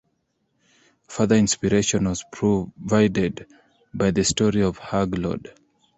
Further inspiration was provided by the story of Hugh Lord.